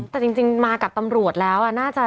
แต่จริงมากับตำรวจแล้วน่าจะ